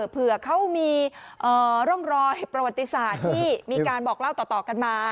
เผื่อเขามีร่องรอยประวัติศาสตร์ที่มีการบอกเล่าต่อกันมา